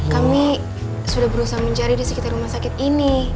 kami sudah berusaha mencari di sekitar rumah sakit ini